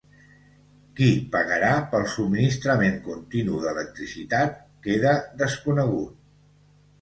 Qui pagarà pel subministrament continu d'electricitat queda desconegut.